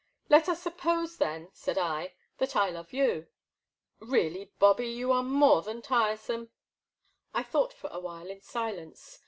'* I^et us suppose, then, said I, that I love you Really, Bobby, you are more than tiresome. I thought for a while in silence.